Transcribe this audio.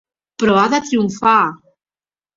Però ha de triomfar!